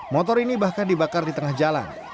motor ini bahkan dibakar di tengah jalan